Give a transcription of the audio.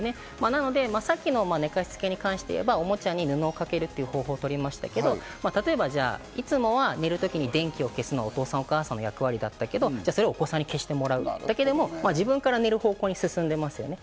なので、さっきの寝かしつけに関して言えば、おもちゃに布をかける方法を取りましたけど、例えば、いつもは寝るときに電気を消すのはお父さん、お母さんの役割だったけど、お子さんに消してもらうだけでも自分から寝る方向に進んでますね。